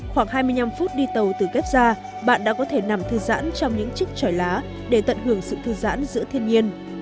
khoảng hai mươi năm phút đi tàu từ kép ra bạn đã có thể nằm thư giãn trong những chiếc tròi lá để tận hưởng sự thư giãn giữa thiên nhiên